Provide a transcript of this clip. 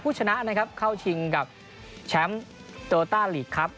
ชนะนะครับเข้าชิงกับแชมป์โตต้าลีกครับ